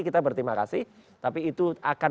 kita berterima kasih tapi itu akan